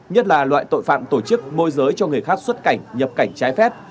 nhất là loại tội phạm tổ chức môi giới cho người khác xuất cảnh nhập cảnh trái phép